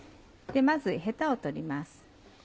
まずヘタを取ります。